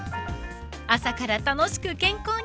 ［朝から楽しく健康に］